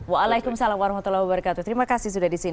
waalaikumsalam warahmatullahi wabarakatuh terima kasih sudah di sini